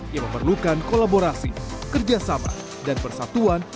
yang memerlukan kolaborasi kerjasama dan persatuan